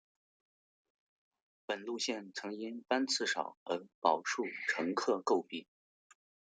本路线曾因班次少而饱受乘客诟病。